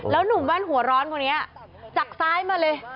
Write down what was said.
หนุ่มแว่นหัวร้อนคนนี้จากซ้ายมาเลย